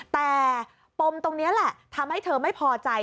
แต่ปมตรงนี้แหละทำให้เธอไม่พอใจ